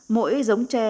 mỗi giống tre